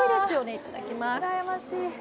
いただきます。